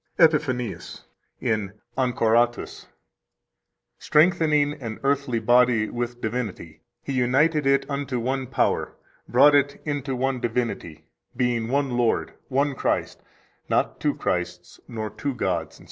109 EPIPHANIUS, in Ancoratus (fol. 504 [fol. 86, ed. Colon.]): "Strengthening an earthly body with divinity, He united it unto one power, brought it into one divinity, being one Lord, one Christ – not two Christs, nor two Gods," etc.